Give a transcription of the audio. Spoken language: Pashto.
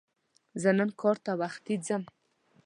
زه نن کار ته وختي ځم